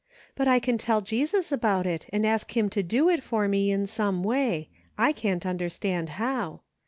But I can tell Jesus about it, and ask him to do it for me in some way ; I can't understand how.